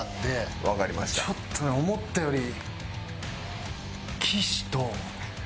ちょっとね思ったより。